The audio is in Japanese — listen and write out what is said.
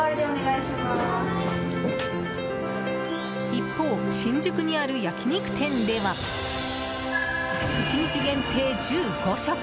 一方、新宿にある焼き肉店では１日限定１５食！